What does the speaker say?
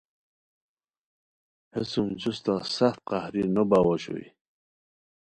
ہیسوم جوستہ سخت قہری نویاؤ اوشوئے